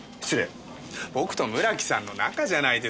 僕と村木さんの仲じゃないですか。